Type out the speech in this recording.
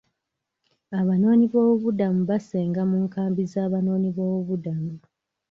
Abanoonyi b'obubuddamu basenga mu nkambi z'abanoonyi b'obubuddamu